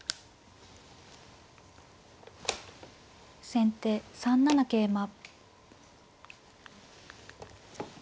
先手３七桂馬。